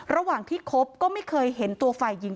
ระหว่างที่คบก็ไม่เคยเห็นตัวฝ่ายหญิง